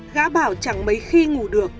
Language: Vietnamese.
gã bảo chẳng mấy khi ngủ được